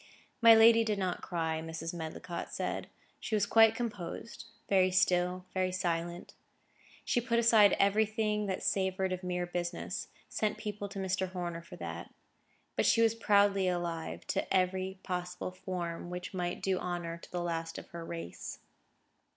My lady did not cry, Mrs. Medlicott said. She was quite composed; very still, very silent. She put aside everything that savoured of mere business: sent people to Mr. Horner for that. But she was proudly alive to every possible form which might do honour to the last of her race.